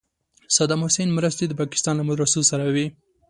صدام حسین مرستې د پاکستان له مدرسو سره وې.